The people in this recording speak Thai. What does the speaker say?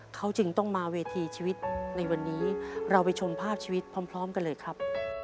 เขาจึงต้องมาเวทีชีวิตในวันนี้เราไปชมภาพชีวิตพร้อมกันเลยครับ